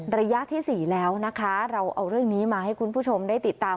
ระยะที่๔แล้วนะคะเราเอาเรื่องนี้มาให้คุณผู้ชมได้ติดตาม